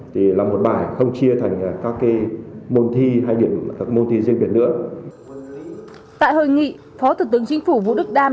tại hội nghị phó thủ tướng chính phủ vũ đức đam